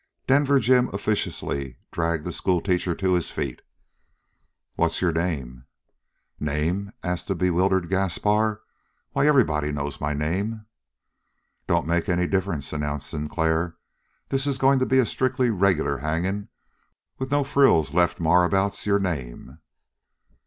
Denver Jim officiously dragged the schoolteacher to his feet. "What's your name?" "Name?" asked the bewildered Gaspar. "Why, everybody knows my name!" "Don't make any difference," announced Sinclair. "This is going to be a strictly regular hanging with no frills left marabout's your name?"